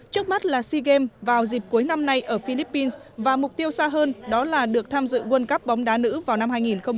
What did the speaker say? trước mắt là sea games vào dịp cuối năm nay ở philippines và mục tiêu xa hơn đó là được tham dự world cup bóng đá nữ vào năm hai nghìn hai mươi